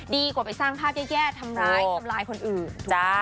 ดีกว่าไปสร้างภาพแย่ทำร้ายทำลายคนอื่น